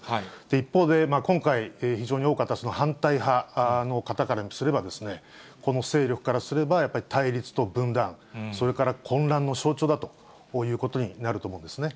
一方で、今回、非常に多かった反対派の方からすれば、この勢力からすれば、やっぱり対立と分断、それから混乱の象徴だということになると思うんですね。